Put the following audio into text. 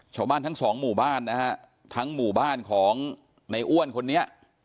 ชาวบ้านทั้งสองหมู่บ้านนะฮะทั้งหมู่บ้านของในอ้วนคนนี้